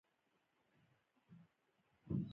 په دغه توګه نه کنټرولیږي.